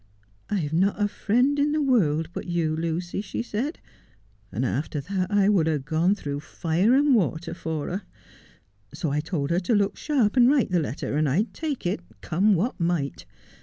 "I have not a friend in the world but you, Lucy,' 3 she said, and after that I would have gone through fire and water for her. So I told her to look sharp and write the letter, and I would take it, come what might.